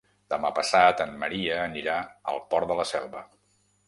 Demà passat en Maria anirà al Port de la Selva.